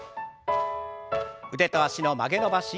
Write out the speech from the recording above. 腕と脚の曲げ伸ばし。